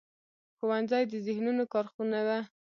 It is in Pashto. ښوونځی د ذهنونو کارخونه ده